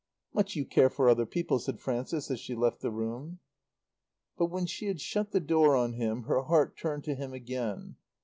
"Much you care for other people," said Frances as she left the room. But when she had shut the door on him her heart turned to him again.